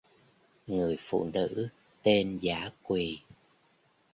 Người phụ nữ tên dã quỳ